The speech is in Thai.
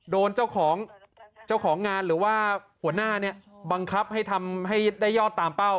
โดนเจ้าของเจ้าของงานหรือว่าหัวหน้าเนี่ยบังคับให้ทำให้ได้ยอดตามเป้า